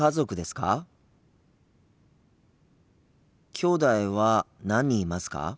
きょうだいは何人いますか？